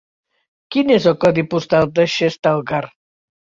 Quin és el codi postal de Xestalgar?